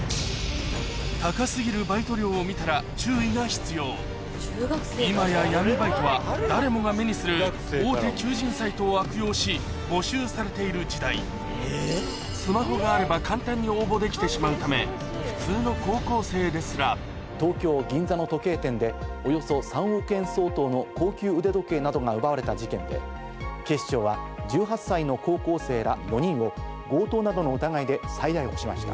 高過ぎるバイト料を見たら今や闇バイトは誰もが目にする大手求人サイトを悪用し募集されている時代できてしまうため普通の高校生ですら東京・銀座の時計店でおよそ３億円相当の高級腕時計などが奪われた事件で警視庁は１８歳の高校生ら４人を強盗などの疑いで再逮捕しました。